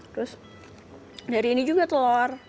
terus dari ini juga telur